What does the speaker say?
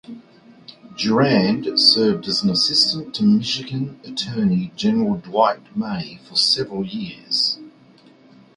Durand served as an assistant to Michigan Attorney General Dwight May for several years.